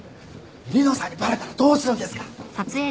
梨乃さんにバレたらどうするんですか。